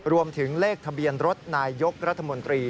รวมถึงเลขทะเบียนรถนายยกรัฐมนตรี